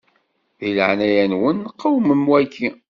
Di leɛnaya-nwen qewmem waki.